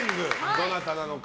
どなたなのか。